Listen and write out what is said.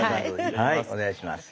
お願いします。